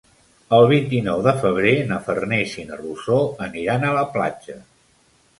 El vint-i-nou de febrer na Farners i na Rosó aniran a la platja.